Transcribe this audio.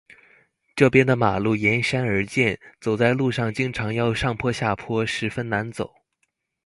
这边的马路沿山而建，走在路上经常要上坡下坡，十分难走。